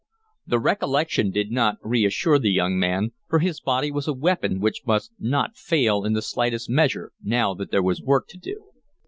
The recollection did not reassure the young man, for his body was a weapon which must not fail in the slightest measure now that there was work to do.